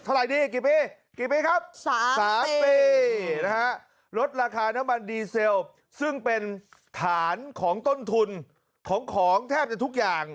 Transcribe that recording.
ดีกี่ปีกี่ปีครับ๓ปีนะฮะลดราคาน้ำมันดีเซลซึ่งเป็นฐานของต้นทุนของของแทบจะทุกอย่าง